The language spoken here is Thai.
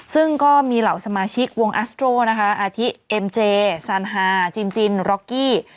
ซึ่งก็มีเหล่าสมาชิกวงอัสโตรนะคะอาทิเอ็มเจซานฮาจินจินร็อกกี้